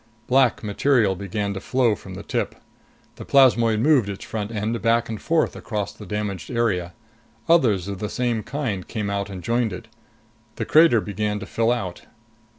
Black material began to flow from the tip. The plasmoid moved its front end back and forth across the damaged area. Others of the same kind came out and joined it. The crater began to fill out.